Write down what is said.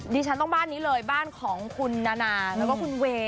ดิฉันต้องบ้านนี้เลยบ้านของคุณนานาแล้วก็คุณเวย์